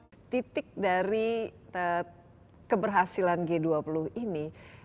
jadi titik dari keberhasilan g dua puluh ini